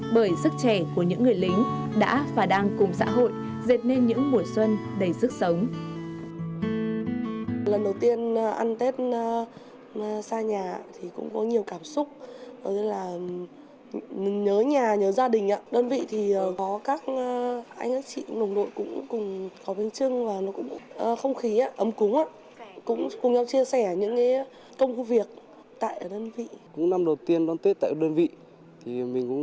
bởi sức trẻ của những người lính đã và đang cùng xã hội dệt nên những mùa xuân đầy sức sống